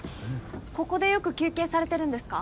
ここでよく休憩されてるんですか？